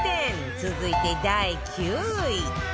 続いて第９位